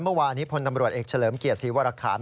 เมื่อวานนี้พลตำรวจเอกเฉลิมเกียรติศรีวรคาร